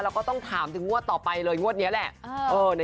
แล้วก็ต้องถามถึงงวดต่อไปเลยงวดนี้แหละ